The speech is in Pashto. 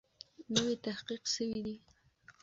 نوی تحقیق سوی دی.